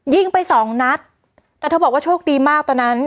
ยิงไปสองนัดแต่เธอบอกว่าโชคดีมากตอนนั้น